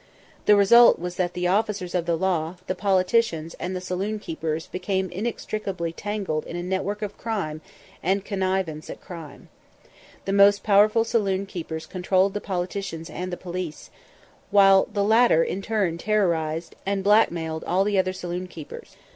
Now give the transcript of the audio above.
The result was that the officers of the law, the politicians, and the saloon keepers became inextricably tangled in a network of crime and connivance at crime. The most powerful saloon keepers controlled the politicians and the police, while the latter in turn terrorized and blackmailed all the other saloon keepers.